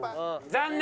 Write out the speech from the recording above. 残念！